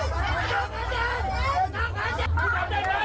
ชั้นก้าวใกล้วิทยาลัยชั้นก้าวใกล้วิทยาลัย